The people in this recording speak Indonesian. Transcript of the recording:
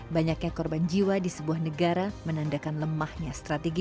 banyaknya korban jiwa di sebuah negara menandakan lemahnya strategi